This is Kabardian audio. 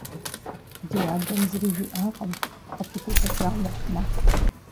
Ди адэм зыри жиӀакъым, къыпыгуфӀыкӀа мыхъумэ.